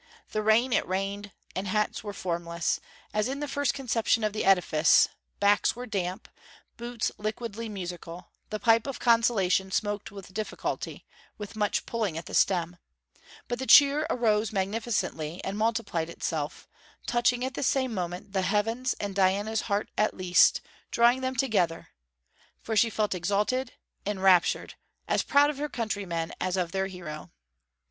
The rain it rained, and hats were formless,' as in the first conception of the edifice, backs were damp, boots liquidly musical, the pipe of consolation smoked with difficulty, with much pulling at the stem, but the cheer arose magnificently, and multiplied itself, touching at the same moment the heavens and Diana's heart at least, drawing them together; for she felt exalted, enraptured, as proud of her countrymen as of their hero.